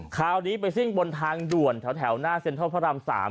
คราวนี้ไปซิ่งบนทางด่วนแถวหน้าเซ็นทรัลพระราม๓